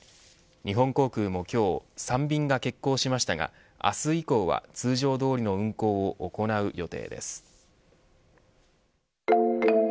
日本航空も今日３便が欠航しましたが明日以降は通常通りの運航を行う予定です。